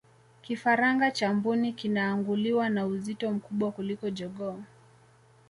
kifaranga cha mbuni kinaanguliwa na uzito mkubwa kuliko jogoo